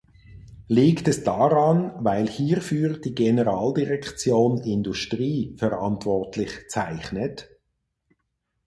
Liegt es daran, weil hierfür die Generaldirektion Industrie verantwortlich zeichnet?